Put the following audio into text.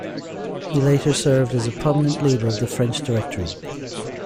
He later served as a prominent leader of the French Directory.